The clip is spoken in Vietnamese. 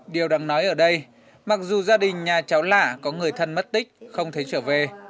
điều đáng nói ở đây mặc dù gia đình nhà cháu lạ có người thân mất tích không thấy trở về